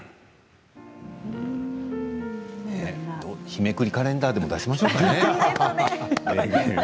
日めくりカレンダーでも出しましょうかね。